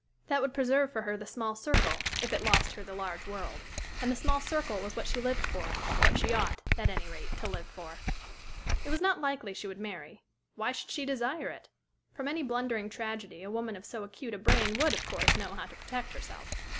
That would preserve for her the small circle, if it lost her the large world. And the small circle was what she lived for, what she ought, at any rate, to live for. It was not likely she would marry. Why should she desire it? From any blundering tragedy a woman of so acute a brain would, of course, know how to protect herself.